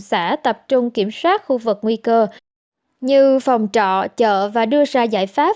xã tập trung kiểm soát khu vực nguy cơ như phòng trọ chợ và đưa ra giải pháp